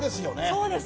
そうですよ。